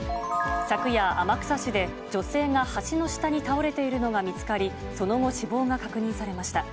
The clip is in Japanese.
昨夜、天草市で女性が橋の下に倒れているのが見つかり、その後死亡が確認されました。